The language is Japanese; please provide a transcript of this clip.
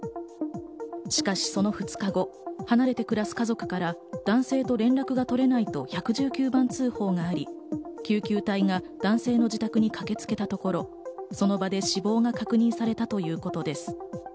しかしその２日後、離れて暮らす家族から男性と連絡が取れないと１１９番通報があり、救急隊が男性の自宅に駆けつけたところ、その場で死亡が確認されたということです。